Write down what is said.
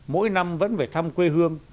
mỗi năm vẫn phải thăm quê hương